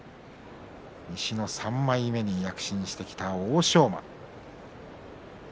西の３枚目に躍進してきた欧勝馬。